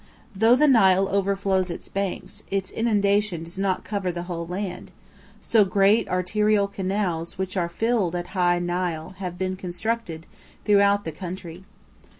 Though the Nile overflows its banks, its inundation does not cover the whole land; so great arterial canals which are filled at high Nile have been constructed throughout the country.